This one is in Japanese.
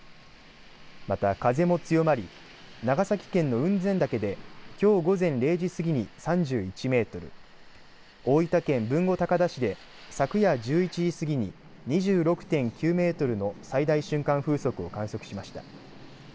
また風も強まり長崎県の雲仙岳できょう午前０時過ぎに３１メートル、大分県豊後高田市で昨夜１１時過ぎに２６．９メートルの最大瞬間風速を観測しました。